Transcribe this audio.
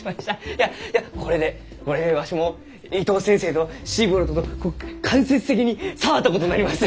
いやいやこれでこれでわしも伊藤先生とシーボルトと間接的に触ったことになります！